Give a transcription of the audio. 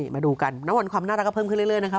มาดูกันน้ำวันความน่ารักก็เพิ่มขึ้นเรื่อยนะคะ